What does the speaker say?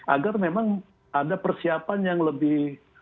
agar memang ada persiapan yang lebih